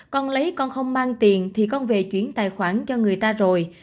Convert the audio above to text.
con lấy con không mang tiền thì con về chuyển tài khoản cho người ta rồi